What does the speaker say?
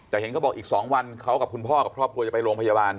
แต่เห็นเขาบอกอีก๒วันเขากับคุณพ่อกับครอบครัวจะไปโรงพยาบาล